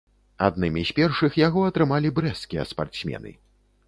Аднымі з першых яго атрымалі брэсцкія спартсмены.